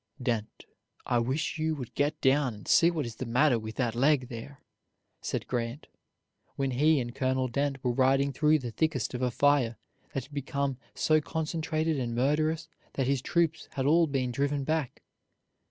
"Dent, I wish you would get down and see what is the matter with that leg there," said Grant, when he and Colonel Dent were riding through the thickest of a fire that had become so concentrated and murderous that his troops had all been driven back.